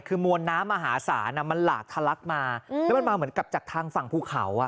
คือมวลน้ำมหาศาลมันหลากทะลักมาแล้วมันมาเหมือนกับจากทางฝั่งภูเขา